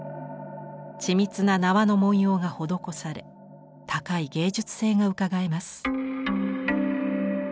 緻密な縄の文様が施され高い芸術性がうかがえます。